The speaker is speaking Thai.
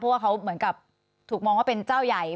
เพราะว่าเขาเหมือนกับถูกมองว่าเป็นเจ้าใหญ่